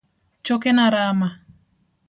Chokena rama.